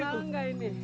kau kenal ga ini